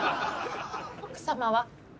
奥様は？